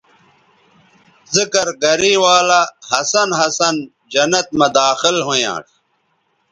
ذکر گرے ولہ ہسن ہسن جنت مہ داخل ھویانݜ